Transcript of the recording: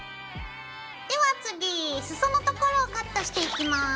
では次裾のところをカットしていきます。